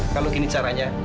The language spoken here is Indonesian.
kalau gini caranya